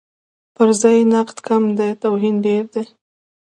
پرځای نقد کم دی، توهین ډېر دی.